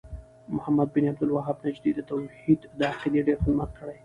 محمد بن عبد الوهاب نجدي د توحيد د عقيدې ډير خدمت کړی